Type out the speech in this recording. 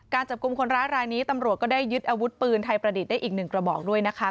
จับกลุ่มคนร้ายรายนี้ตำรวจก็ได้ยึดอาวุธปืนไทยประดิษฐ์ได้อีกหนึ่งกระบอกด้วยนะคะ